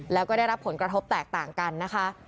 แล้วก็ได้รับผลกระทบแตกต่างกันนะคะ